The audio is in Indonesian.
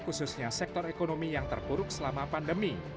khususnya sektor ekonomi yang terpuruk selama pandemi